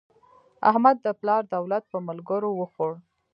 احمد د پلار دولت په ملګرو وخوړ.